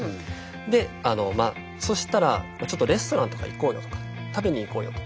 でそしたら「ちょっとレストランとか行こうよ」とか「食べに行こうよ」と。